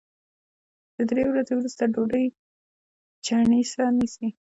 د درې ورځو وروسته ډوډۍ چڼېسه نیسي